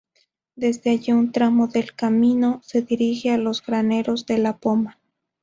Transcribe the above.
Desde allí un tramo del camino se dirige a los Graneros de La Poma.